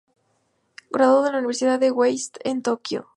Graduado de la universidad de Waseda en Tokio.